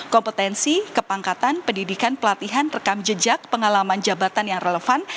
kompetensi kepangkatan pendidikan pelatihan rekam jejak pengalaman jabatan yang relevan